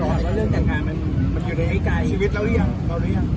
แล้วเรื่องแต่งงานมันอยู่ในไอ้กายชีวิตเราหรือยัง